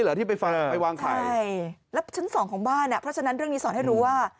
แล้วชั้นสองของบ้านเพราะฉะนั้นเรื่องนี้สอนให้รู้ว่า